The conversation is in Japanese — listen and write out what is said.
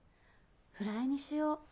フライにしよう。